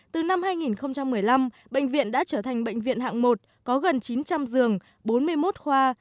từ năm hai nghìn một mươi năm bệnh viện đã trở thành bệnh viện hạng một có gần chín trăm linh giường bốn mươi một khoa